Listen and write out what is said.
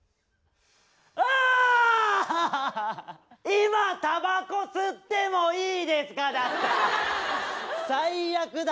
「今たばこ吸ってもいいですか？」だった。最悪だ。